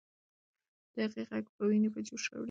د هغې ږغ به ويني په جوش راوړي.